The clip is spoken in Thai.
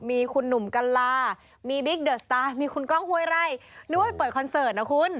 มีคุณหนุ่มกัลลามีบิ๊กเดอร์สตาร์มีคุณก้องห้วยไร่นึกว่าไปเปิดคอนเสิร์ตนะคุณ